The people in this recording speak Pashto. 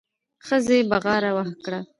ښځې بغاره کړه.